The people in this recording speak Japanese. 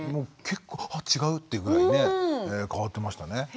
結構「あっ違う」っていうぐらいね変わってましたね。